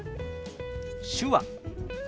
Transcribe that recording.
「手話」。